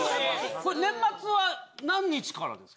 これ、年末は何日からですか？